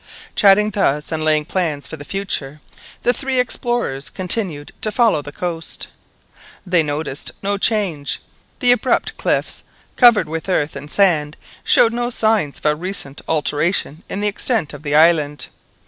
Chatting thus and laying plans for the future, the three explorers continued to follow the coast. They noticed no change; the abrupt cliffs covered with earth and sand showed no signs of a recent alteration in the extent of the island.